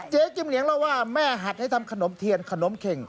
จิ้มเหลียงเล่าว่าแม่หัดให้ทำขนมเทียนขนมเข็ง